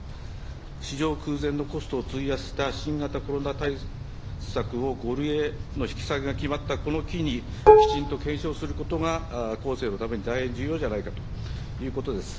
史上空前のコストを費やした新型コロナ対策を、５類への引き下げが決まったこの機に、きちんとすることが後世のために大変重要じゃないかということです。